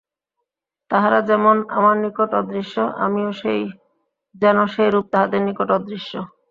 তাহারা যেমন আমার নিকট অদৃশ্য, আমিও যেন সেইরূপ তাহাদের নিকট অদৃশ্য।